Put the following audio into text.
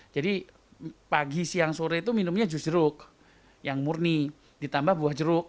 jadi pagi siang sore itu minumnya jus jeruk yang murni ditambah buah jeruk